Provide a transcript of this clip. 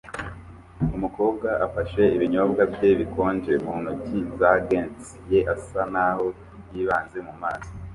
Umukobwa afashe ibinyobwa bye bikonje mu ntoki za gants ye asa naho yibanze mu maso